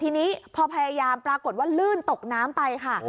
ทีนี้พอพยายามปรากฏว่าลื่นตกน้ำไปค่ะ